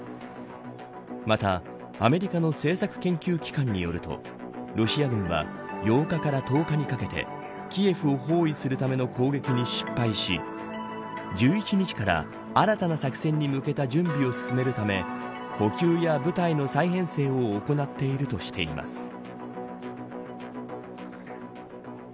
また、アメリカの政策研究機関によるとロシア軍は８日から１０日にかけてキエフを包囲するための攻撃に失敗し１１日から新たな作戦に向けた準備を進めるため補給や部隊の再編成を行っているとしています。